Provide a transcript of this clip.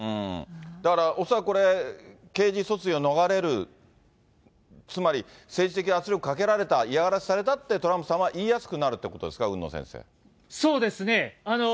だから、恐らくこれ、刑事訴追を逃れる、つまり、政治的圧力をかけられた、嫌がらせされたってトランプさんは言いやすくなるってことですか、そうですね。